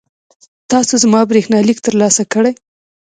تاسو زما برېښنالیک ترلاسه کړی؟